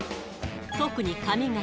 特に髪形。